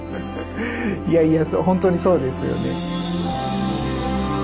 いやいやほんとにそうですよね。